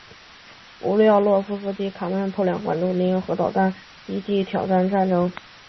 不料奥洛夫将军和卡马汉王子却偷梁换柱利用核弹炸毁美国空军基地挑起战争。